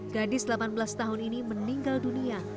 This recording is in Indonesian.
gadis delapan belas tahun ini meninggal dunia